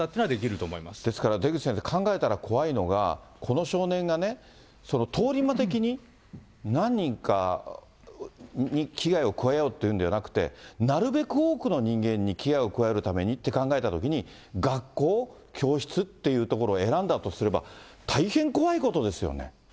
といですから出口先生、考えたら怖いのが、この少年がね、通り魔的に、何人かに危害を加えようというんではなくて、なるべく多くの人間に危害を加えるためにって考えたときに、学校、教室っていう所を選んだとすれば、大変怖いことですよね。